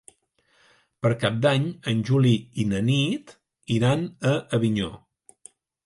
Per Cap d'Any en Juli i na Nit iran a Avinyó.